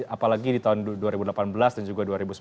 apalagi di tahun dua ribu delapan belas dan juga dua ribu sembilan belas